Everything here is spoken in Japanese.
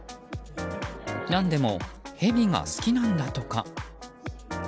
何でもヘビが好きなんだとか。